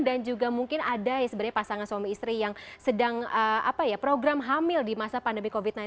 dan juga mungkin ada pasangan suami istri yang sedang program hamil di masa pandemi covid sembilan belas